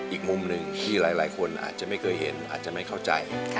อีกมุมหนึ่งที่หลายคนอาจจะไม่เคยเห็นอาจจะไม่เข้าใจ